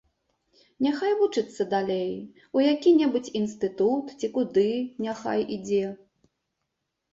Няхай вучыцца далей, у які-небудзь інстытут ці куды няхай ідзе.